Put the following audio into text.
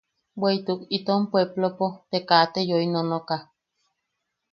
Bweʼituk itom puepplopo te kaa te yoi nonoka.